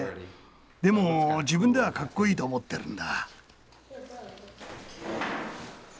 でも自分ではかっこいいと思ってるんだ。